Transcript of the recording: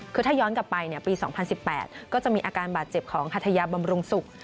คือถ้าย้อนกลับไปปี๒๐๑๘ก็จะมีอาการบาดเจ็บของฮัทยาบำรุงศุกร์